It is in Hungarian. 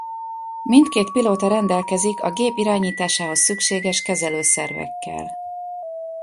Mindkét pilóta rendelkezik a gép irányításához szükséges kezelőszervekkel.